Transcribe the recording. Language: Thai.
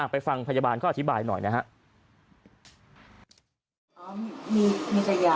ไปฟังพยาบาลเขาอธิบายหน่อยนะครับ